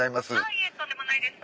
いえとんでもないです。